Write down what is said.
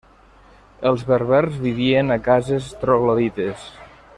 Els berbers vivien a cases troglodites.